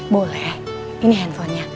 boleh ini handphonenya